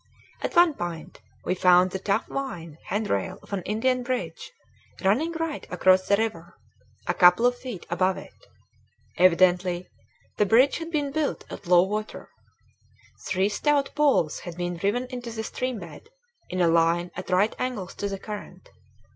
At one point we found the tough vine hand rail of an Indian bridge running right across the river, a couple of feet above it. Evidently the bridge had been built at low water. Three stout poles had been driven into the stream bed in a line at right angles to the current.